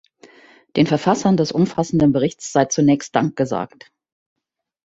Den Verfassern des umfassenden Berichts sei zunächst Dank gesagt.